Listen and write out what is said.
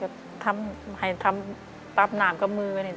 ก็ทำให้ทำตามหนามก็มือไว้เนี่ย